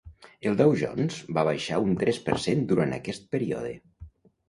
El Down Jones va baixar un tres per cent durant aquest període.